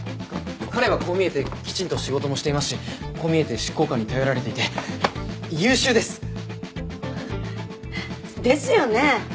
彼はこう見えてきちんと仕事もしていますしこう見えて執行官に頼られていて優秀です。ですよね？